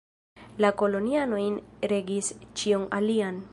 La kolonianoj regis ĉion alian.